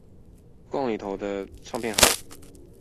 逛了裏頭的唱片行